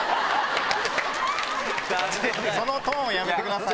そのトーンやめてください。